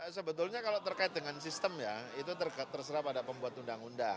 sebetulnya kalau terkait dengan sistem ya itu terserah pada pembuat undang undang